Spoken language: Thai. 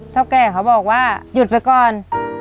เท่าแก่เขาบอกว่าหยุดไปก่อน